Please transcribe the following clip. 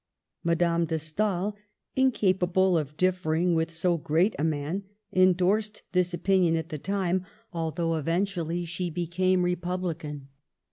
Madame de Stael — incapable of differing with so great a man — endorsed this opinion at the time, although eventually she became republican.